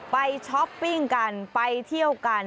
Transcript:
ช้อปปิ้งกันไปเที่ยวกัน